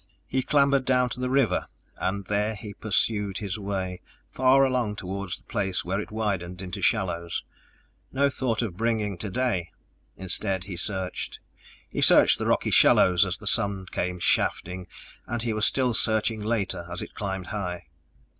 He clambered down to the river and there he pursued his way far along toward the place where it widened into shallows. No thought of bringing today! Instead he searched. He searched the rocky shallows as the sun came shafting, and he was still searching later as it climbed high.